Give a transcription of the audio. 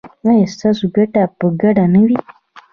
ایا ستاسو ګټه به ګډه نه وي؟